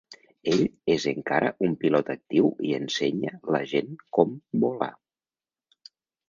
Ell és encara un pilot actiu i ensenya la gent com volar.